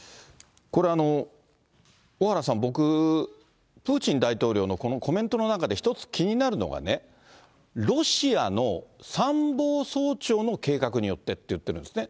これ、小原さん、僕、プーチン大統領のこのコメントの中で１つ気になるのはね、ロシアの参謀総長の計画によってって言ってるんですね。